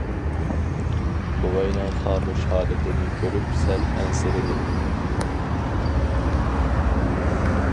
بوۋاينىڭ خامۇش ھالىتىنى كۆرۈپ سەل ئەنسىرىدى.